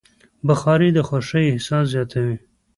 بخاري د خوښۍ احساس زیاتوي.